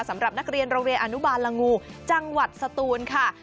สำหรับนักเรียนโรงเรียนอนุบาลละงูจังหวัดสตูนค่ะ